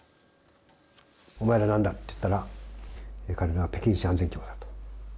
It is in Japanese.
お前ら何だって言ったら彼らは北京市安全局だと。